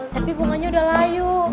tapi bunganya udah layu